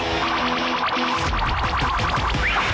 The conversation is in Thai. โอ้โฮโอ้โฮโอ้โฮ